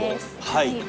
はい。